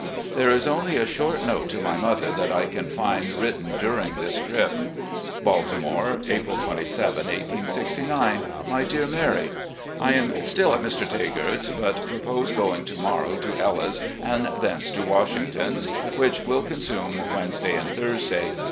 There is only a short note to my mother that I can find written during this trip: "Baltimore, April 27, 1869. "My Dear Mary: I am still at Mr. Tagart's, but propose going to morrow to Ella's, and thence to Wash ington's, which win consume Wednesday and Thursday.